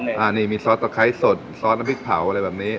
อันนี้มีซอสตะไคร้สดซอสน้ำพริกเผาอะไรแบบนี้